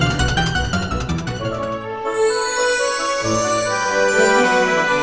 ustaz ini masak celah